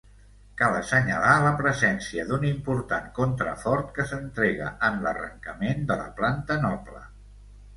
Cal assenyalar la presència d'un important contrafort que s'entrega en l'arrencament de la planta noble.